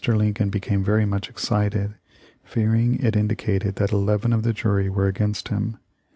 Lincoln be came very much excited, fearing it indicated that eleven of the jury were against him.